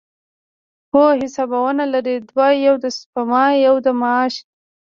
څو حسابونه لرئ؟ دوه، یو د سپما، یو د معاش